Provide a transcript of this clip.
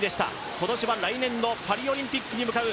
今年は来年のパリオリンピックに向かう